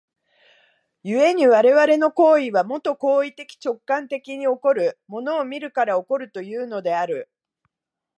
故に我々の行為は、もと行為的直観的に起こる、物を見るから起こるというのである。